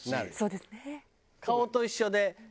そうですね。